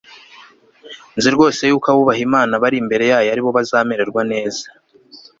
nzi rwose yuko abubaha imana bari imbere yayo ari bo bazamererwa neza